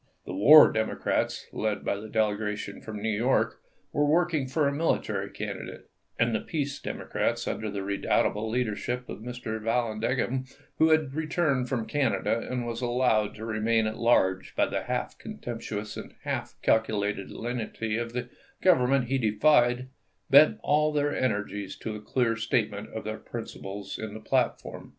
The war Democrats, led by the delegation from New York, were working for a military candidate ; and the peace Democrats, under the redoubtable leader ship of Mr. Vallandigham, who had returned from Canada and was allowed to remain at large by the half contemptuous and half calculated lenity of the Government he defied, bent all their energies to a clear statement of their principles in the platform.